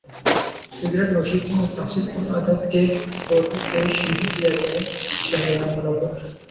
cigarette نوشی کو متاثر کن عادت کے طور پر پیش نہ کیا جائے شہریار منور